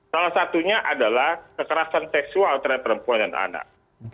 salah satunya adalah kekerasan seksual terhadap perempuan dan anak